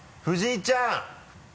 藤井ちゃん！